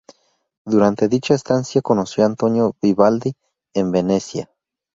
Durante dicha estancia, conoció a Antonio Vivaldi en Venecia.